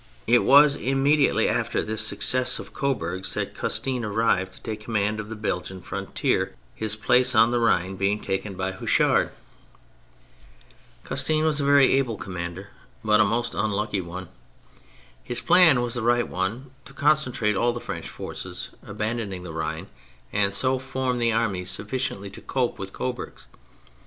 It was immediately after this success of Coburg's that Custine arrived to take command on the Belgian frontier, his place on the Rhine being taken by Houchard. / 180 THE FRENCH REVOLUTION Custine was a very able commander, but a most unlucky one. His plan was the right one : to concentrate all the French forces (abandoning the Rhine) and so form an army sufficient to cope with Coburg's.